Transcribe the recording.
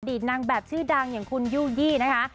ตนางแบบชื่อดังอย่างคุณยู่ยี่นะคะ